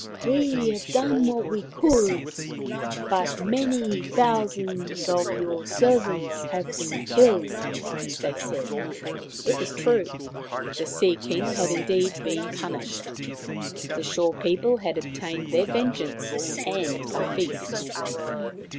" We have done what we could, but many thou sands of your servants have been killed/ ' they said. It was true. The Sea King had indeed been punished. The Shore people had obtained their vengeance and a feast.